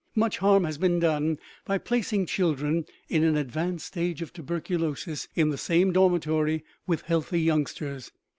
Much harm has been done by placing children in an advanced stage of tuberculosis in the same dormitory with healthy youngsters.